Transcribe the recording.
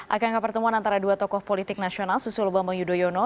akankah pertemuan antara dua tokoh politik nasional susul bambang yudhoyono